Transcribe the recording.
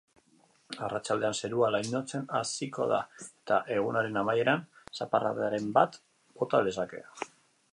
Arratsaldean zerua lainotzen hasiko da, eta egunaren amaieran zaparradaren bat bota lezake.